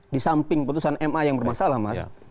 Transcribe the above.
di samping putusan ma yang bermasalah mas